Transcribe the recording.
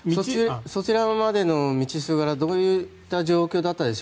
そちらまでの道すがらはどういう感じでしたか。